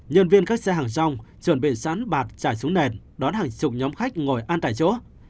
nhân viên các xe hàng trong chuẩn bị sẵn bạt chảy xuống nền đón hàng chục nhóm khách ngồi ăn tại chỗ